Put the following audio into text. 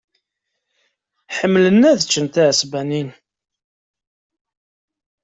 Ḥemmlen ad ččen tiɛesbanin.